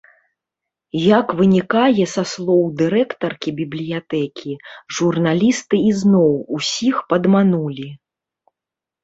Як вынікае са слоў дырэктаркі бібліятэкі, журналісты ізноў усіх падманулі.